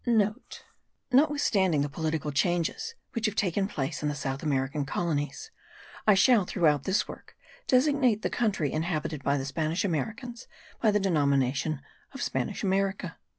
(* Notwithstanding the political changes which have taken place in the South American colonies, I shall throughout this work designate the country inhabited by the Spanish Americans by the denomination of Spanish America.